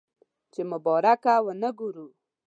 چې مبارکه ونه وګورو.